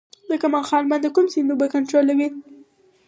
د کمال خان بند د کوم سیند اوبه کنټرولوي؟